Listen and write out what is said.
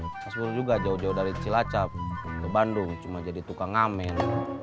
mas bro juga jauh jauh dari cilacap ke bandung cuma jadi tukang amin